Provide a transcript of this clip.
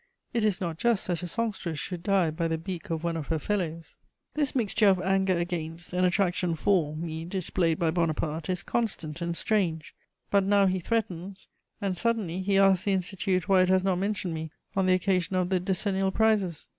It is not just that a songstress should die by the beak of one of her fellows." This mixture of anger against and attraction for me displayed by Bonaparte is constant and strange: but now he threatens, and suddenly he asks the Institute why it has not mentioned me on the occasion of the decennial prizes.